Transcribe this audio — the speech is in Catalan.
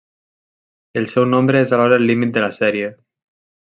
El seu nombre és alhora el límit de la sèrie.